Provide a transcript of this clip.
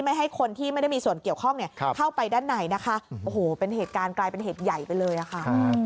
ให้คนที่ไม่ได้มีส่วนเกี่ยวข้องเนี่ยเข้าไปด้านในนะคะโอ้โหเป็นเหตุการณ์กลายเป็นเหตุใหญ่ไปเลยอะค่ะ